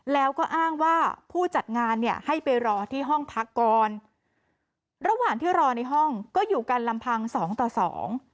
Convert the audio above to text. แล้วก็อ้างว่าผู้จัดงานเนี่ยให้ไปรอที่ห้องพักก่อนระหว่างที่รอในห้องก็อยู่กันลำพังสองต่อสอง